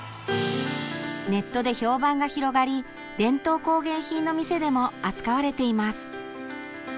ネットで評判が広がり伝統工芸品の店でも扱われています。